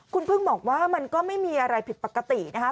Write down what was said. คุณพึ่งบอกว่ามันก็ไม่มีอะไรผิดปกตินะคะ